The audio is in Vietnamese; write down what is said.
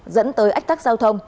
dẫn tới ách tắc giao thông